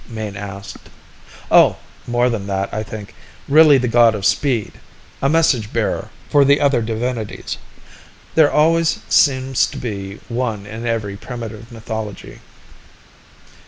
Mayne asked. "Oh, more than that, I think. Really the god of speed, a message bearer for the other divinities. There always seems to be one in every primitive mythology."